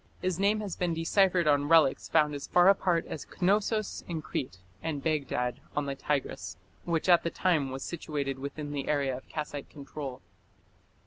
His name has been deciphered on relics found as far apart as Knossos in Crete and Baghdad on the Tigris, which at the time was situated within the area of Kassite control.